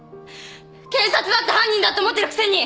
警察だって犯人だって思ってるくせに！